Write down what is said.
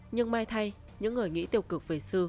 nhưng may thay những người nghĩ tiêu cực về sư